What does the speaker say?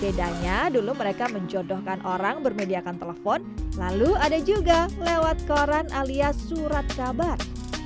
bedanya dulu mereka menjodohkan orang bermediakan telepon lalu ada juga lewat koran alias surat kabar